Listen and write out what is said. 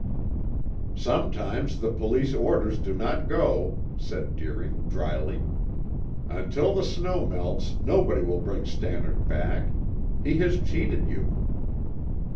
"Sometimes the police orders do not go," said Deering dryly. "Until the snow melts nobody will bring Stannard back. He has cheated you."